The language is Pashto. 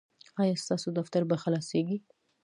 ایا ستاسو دفتر به خلاصیږي؟